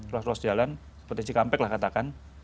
ruas ruas jalan seperti cikampek lah katakan